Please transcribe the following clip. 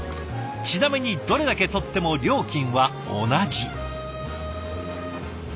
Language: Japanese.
ちなみにどれだけ取っても料金は同じ。